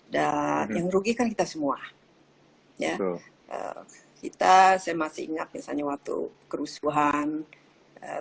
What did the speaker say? dan yang rugi kan kita semua kita saya masih ingat misalnya waktu kerusuhan tahun sembilan puluh delapan misalnya ini makanya